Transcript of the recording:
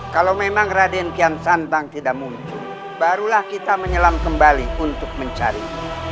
kalau memang raden kian sandang tidak muncul barulah kita menyelam kembali untuk mencari